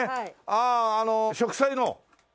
あの植栽の。